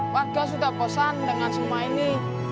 warga sudah bosan dengan semua ini